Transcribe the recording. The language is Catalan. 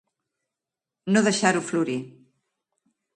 No deixar-ho florir.